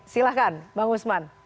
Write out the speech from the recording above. silahkan pak usman